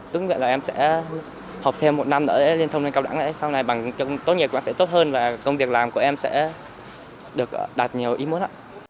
tức là em sẽ học thêm một năm nữa lên hệ cao đẳng sau này bằng tốt nghiệp sẽ tốt hơn và công việc làm của em sẽ được đạt nhiều ý muốn